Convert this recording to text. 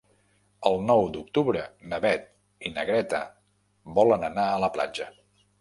El nou d'octubre na Beth i na Greta volen anar a la platja.